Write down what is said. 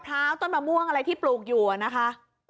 ้าวต้นมะม่วงอะไรที่ปลูกอยู่นะคะ